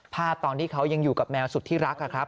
ภาพตอนที่เขายังอยู่กับแมวสุดที่รักครับ